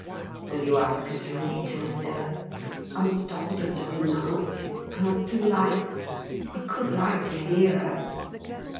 "'Will you ask her to read to us, Zillah? I'm stalled of doing naught; and I do like—I could like to hear her!